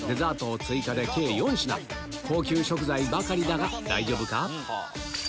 高級食材ばかりだが大丈夫か？